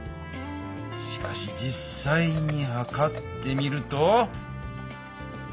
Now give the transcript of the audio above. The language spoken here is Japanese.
しかし実さいにはかってみると。